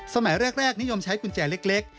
สมัยแรกนิยมใช้กุญแจเล็ก